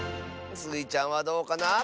スイちゃんはどうかな？